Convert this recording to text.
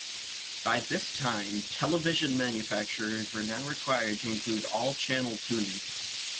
By this time, television manufacturers were now required to include all-channel tuning.